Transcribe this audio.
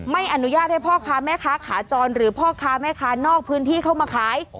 ไม่อนุญาตให้พ่อค้าแม่ค้าขาจรหรือพ่อค้าแม่ค้านอกพื้นที่เข้ามาขาย